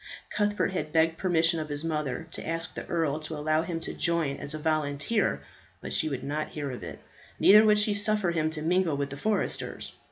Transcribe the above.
Cuthbert had begged permission of his mother to ask the earl to allow him to join as a volunteer, but she would not hear of it. Neither would she suffer him to mingle with the foresters.